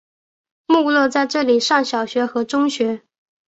穆勒在这里上小学和中学。